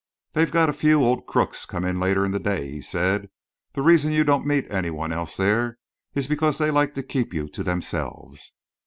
"They've got a few old crooks come later in the day," he said. "The reason you don't meet any one else there is because they like to keep you to themselves."